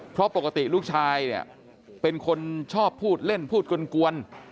เพราะปกติลูกชายเนี่ยเป็นคนชอบพูดเล่นพูดกลวน